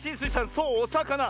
そうおさかな。